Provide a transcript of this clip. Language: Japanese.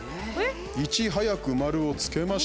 いち早く丸をつけました。